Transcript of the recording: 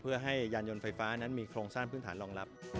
เพื่อให้ยานยนต์ไฟฟ้านั้นมีโครงสร้างพื้นฐานรองรับ